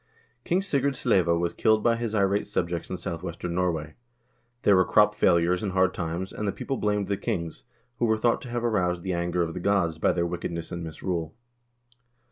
King Sigurd Sleva was killed by his irate subjects in southwestern Norway. There were crop failures and hard times, and the people blamed the kings, who were thought to have aroused the anger of the gods by their wickedness and misrule.